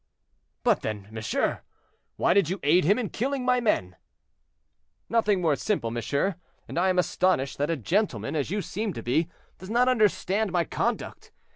"But then, monsieur, why did you aid him in killing my men?" "Nothing more simple, monsieur; and I am astonished that a gentleman, as you seem to be, does not understand my conduct.